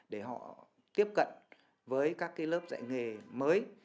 để họ tiếp cận với các cái lớp dạy nghề mới